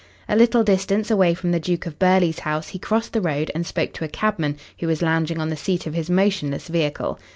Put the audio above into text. A little distance away from the Duke of Burghley's house he crossed the road and spoke to a cabman who was lounging on the seat of his motionless vehicle.